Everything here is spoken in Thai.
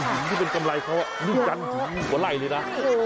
หินที่เป็นกำไรเขานิดนึงจันหวาไรเลยนะ